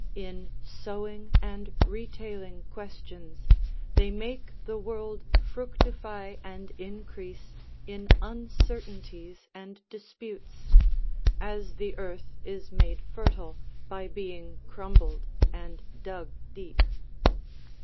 In sowing and retailing questions they make the world fructify and increase in uncertainties and disputes, as the earth is made fertile by being crumbled and dug deep.